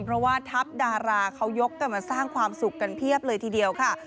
เพราะว่าทัพดาราเขายกกันมาสร้างความสุขกันเพียบเลยทีเดียวค่ะ